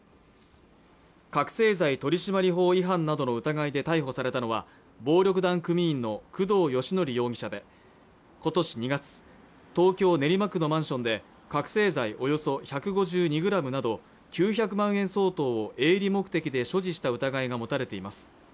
覚醒剤取締法違反などの疑いで逮捕されたのは暴力団組員の工藤義典容疑者で今年２月東京・練馬区のマンションで覚醒剤およそ１５２ｇなど９００万円相当を営利目的で所持した疑いが持たれています